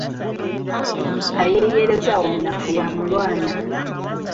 Ayeeyereza omunafu y'amulwanya.